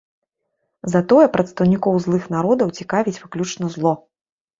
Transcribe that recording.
Затое прадстаўнікоў злых народаў цікавіць выключна зло.